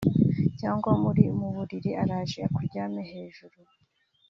cyangwa muri mu buriri araje akuryamye hejuru